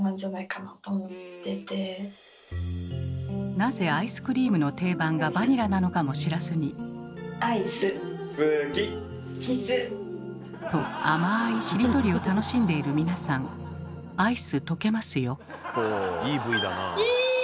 なぜアイスクリームの定番がバニラなのかも知らずに。と甘いしりとりを楽しんでいる皆さんアイス溶けますよ。